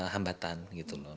lebih banyak hambatan